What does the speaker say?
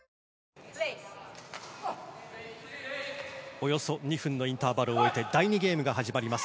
およそ２分のインターバルを終えて第２ゲームが始まります。